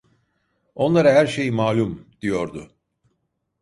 Onlara her şey malum! diyordu.